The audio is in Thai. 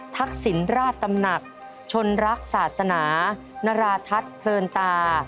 ทักษิณราชตำหนักชนรักศาสนานราทัศน์เพลินตา